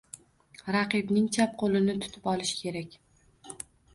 Raqibning chap qoʻlini tutib olish kerak…